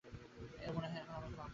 ও মনেহয় এখনো আমাকে মাফ করেনি।